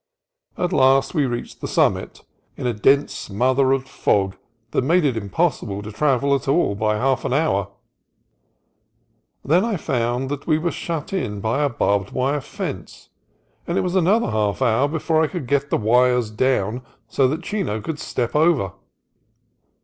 At last we reached the summit, in a dense smother of fog that made it impossible to travel at all for half an hour. Then I found that we were shut in by a barbed wire fence, and it was another half hour before I could get the wires down so that Chino could step over.